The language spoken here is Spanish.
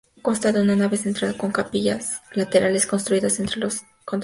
Consta de una nave central con capillas laterales construidas entre los contrafuertes.